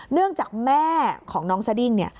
เนื่องจากแม่ของน้องสดิ้ง